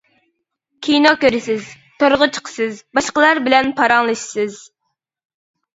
كىنو كۆرىسىز، تورغا چىقىسىز، باشقىلار بىلەن پاراڭلىشىسىز.